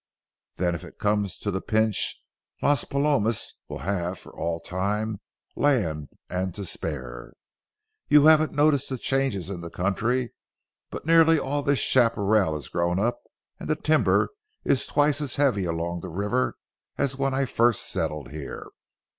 Then if it comes to the pinch, Las Palomas will have, for all time, land and to spare. You haven't noticed the changes in the country, but nearly all this chaparral has grown up, and the timber is twice as heavy along the river as when I first settled here.